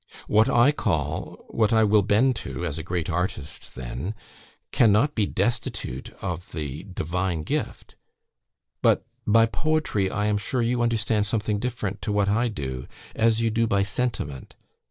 "What I call what I will bend to, as a great artist then cannot be destitute of the divine gift. But by POETRY, I am sure, you understand something different to what I do, as you do by 'sentiment.'